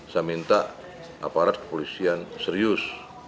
saya minta aparat kepolisian serius